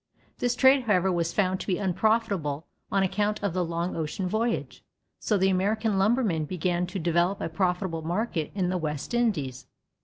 This trade, however, was found to be unprofitable on account of the long ocean voyage, so the American lumbermen began to develop a profitable market in the West Indies.